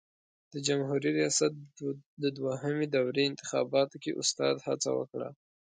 د جمهوري ریاست د دوهمې دورې انتخاباتو کې استاد هڅه وکړه.